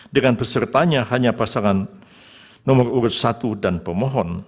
dengan pesertanya hanya pasangan nomor urut satu dan pemohon